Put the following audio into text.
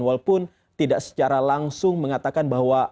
walaupun tidak secara langsung mengatakan bahwa